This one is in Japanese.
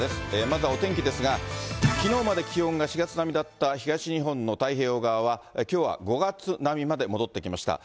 まずはお天気ですが、きのうまで気温が４月並みだった東日本の太平洋側は、きょうは５月並みまで戻ってきました。